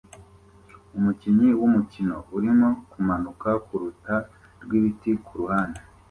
Umukinnyi wumukino urimo kumanuka kurukuta rwibiti kuruhande